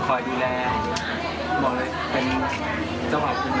พอพบกันแล้วเขาก็คือว่าเขาดูแลดี